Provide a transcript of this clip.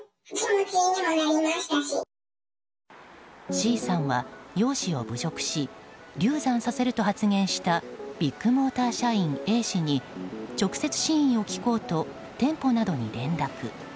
Ｃさんは、容姿を侮辱し流産させると発言したビッグモーター社員Ａ氏に直接、真意を聞こうと店舗などに連絡。